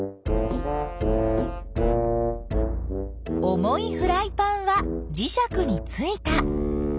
重いフライパンはじしゃくについた。